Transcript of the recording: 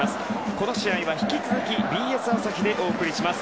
この試合は引き続きＢＳ朝日でお送りします。